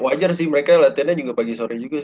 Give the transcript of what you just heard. wajar sih mereka latihannya juga pagi sore juga